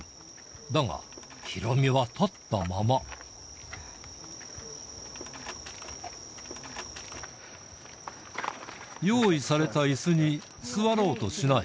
だが、ヒロミは立ったまま。用意されたいすに座ろうとしない。